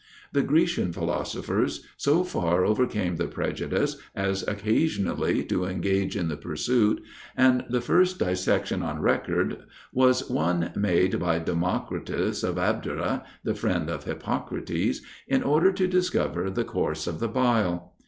The Grecian philosophers so far overcame the prejudice, as occasionally to engage in the pursuit, and the first dissection on record was one made by Democritus of Abdera, the friend of Hippocrates, in order to discover the course of the bile.